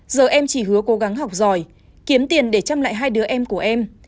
giờ em chỉ hứa cố gắng học giỏi kiếm tiền để chăm lại hai đứa em của em